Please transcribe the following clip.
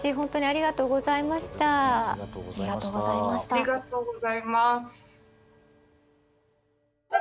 ありがとうございます。